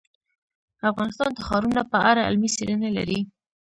افغانستان د ښارونه په اړه علمي څېړنې لري.